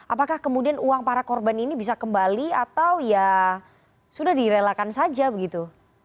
apakah kemudian uang para korban ini bisa kembali atau ya sudah direlakan saja begitu